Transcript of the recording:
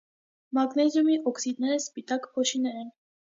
Մագնեզիումի օքսիդները սպիտակ փոշիներ են։